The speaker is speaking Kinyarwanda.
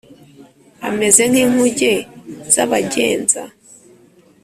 ameze nk’inkuge z’abagenza,